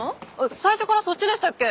最初からそっちでしたっけ？